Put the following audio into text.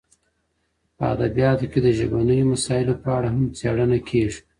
په ادبیاتو کي د ژبنیو مسایلو په اړه هم څېړنه کیږي.